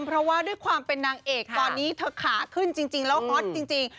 เพราะว่าด้วยความเป็นนางเอกตอนนี้เธอขาขึ้นจริงแล้วฮอตจริง